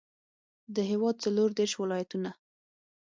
د هېواد څلوردېرش ولایتونه.